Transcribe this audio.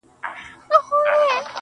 بلا خبرې چي په زړه کي لکه ته پاتې دي